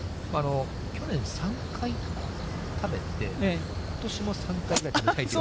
去年３回食べて、ことしも３回食べたいという。